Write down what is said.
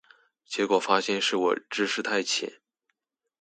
結果發現是我知識太淺